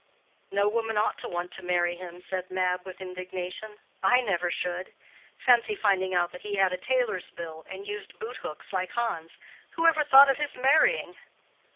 "No woman ought to want him to marry him," said Mab, with indignation. "I never should. Fancy finding out that he had a tailor's bill, and used boot hooks, like Hans. Who ever thought of his marrying?"